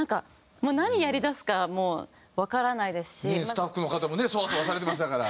スタッフの方もねソワソワされてましたから。